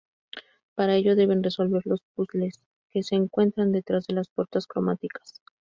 Para ello, deben resolver los puzzles que se encuentran detrás de las Puertas Cromáticas.